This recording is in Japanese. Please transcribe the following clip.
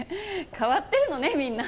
変わってるのねみんな。